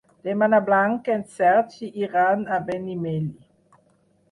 Demà na Blanca i en Sergi iran a Benimeli.